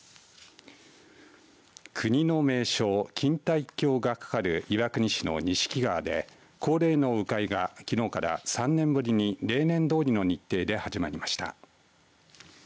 国の名勝、錦帯橋が架かる岩国市の錦川で恒例の鵜飼いがきのうから３年ぶりに例年どおりの日程で始まりました。